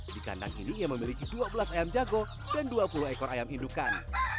di kandang ini ia memiliki dua belas ayam jago dan dua puluh ekor ayam indukan